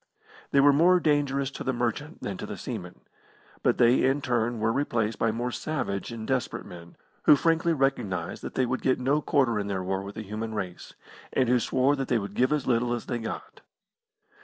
They were more dangerous to the merchant than to the seaman. But they in turn were replaced by more savage and desperate men, who frankly recognised that they would get no quarter in their war with the human race, and who swore that they would give as little as they got.